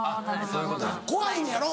怖いのやろ？